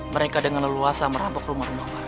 mereka dengan leluasa merampok rumah rumah